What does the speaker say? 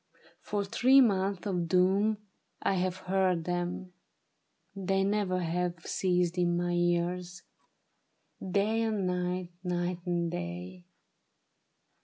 For three months of doom I have heard them; they never have ceased in my ears 70 A TRAGEDY OF SEDAN. Day and night, night and day.